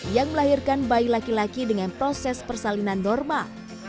yang melahirkan bayi laki laki dengan proses persalinan normal